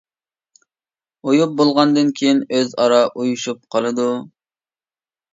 ئۇيۇپ بولغاندىن كىيىن ئۆز ئارا ئۇيۇشۇپ قالىدۇ.